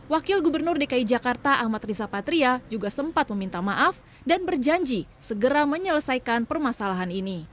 wakil gubernur dki jakarta ahmad riza patria juga sempat meminta maaf dan berjanji segera menyelesaikan permasalahan ini